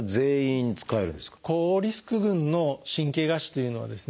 高リスク群の神経芽腫というのはですね